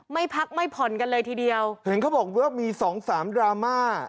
ไม่พักไม่ผ่อนกันเลยทีเดียวเห็นเขาบอกว่ามีสองสามดราม่า